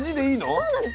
そうなんです。